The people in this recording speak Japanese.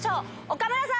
岡村さん。